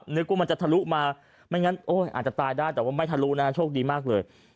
นึกว่ามันจะทะลุมาไม่งั้นโอ้ยอาจจะตายได้แต่ว่าไม่ทะลุนะโชคดีมากเลย